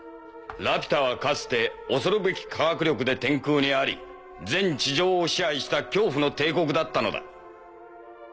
ラピュタはかつて恐るべき科学力で天空にあり全地上を支配した恐怖の帝国だったのだ。